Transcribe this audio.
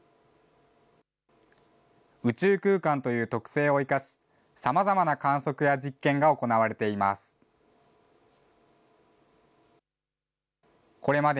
宇宙空間という特性を生かし、さまざまな観測や実験が行われています。